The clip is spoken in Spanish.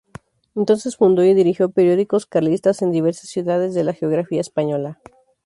Entonces fundó y dirigió periódicos carlistas en diversas ciudades de la geografía española.